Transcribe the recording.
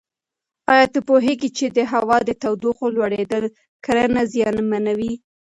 ایا ته پوهېږې چې د هوا د تودوخې لوړېدل کرنه زیانمنوي؟